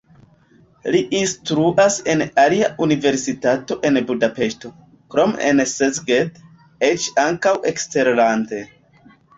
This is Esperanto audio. Li instruas en alia universitato en Budapeŝto, krome en Szeged, eĉ ankaŭ eksterlande.